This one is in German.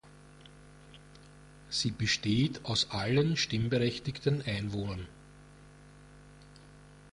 Sie besteht aus allen stimmberechtigten Einwohnern.